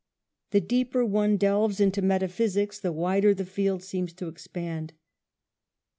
The deeper one delves into metaphysics the wider the field seems to expand. Dr.